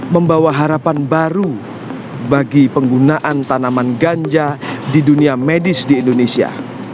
membawa harapan baru bagi penggunaan tanaman ganja di dunia medis di indonesia